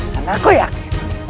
dan aku yakin